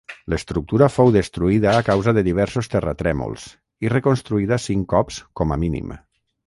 L'estructura fou destruïda a causa de diversos terratrèmols, i reconstruïda cinc cops com a mínim.